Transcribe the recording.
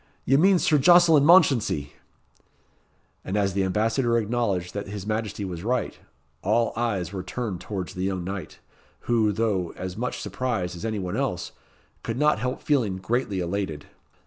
Ye mean Sir Jocelyn Mounchensey." And as the Ambassador acknowledged that his Majesty was right, all eyes were turned towards the young knight, who, though as much surprised as any one else, could not help feeling greatly elated.